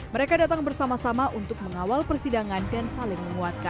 mereka datang bersama sama untuk mengawal persidangan dan saling menguatkan